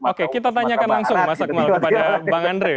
oke kita tanyakan langsung mas akmal kepada bang andre